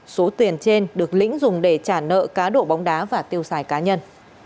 số tiền trên được lĩnh dùng để trả nợ cá độ bóng đá và tiêu xài cá nhân